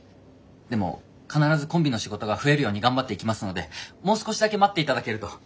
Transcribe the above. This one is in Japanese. でも必ずコンビの仕事が増えるように頑張っていきますのでもう少しだけ待って頂けると。